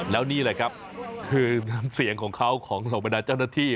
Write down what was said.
แล้วนี่แหละครับคือน้ำเสียงของเขาของเหล่าบรรดาเจ้าหน้าที่